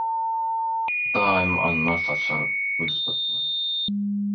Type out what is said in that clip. Daýym anbar saçar güli türkmeniň.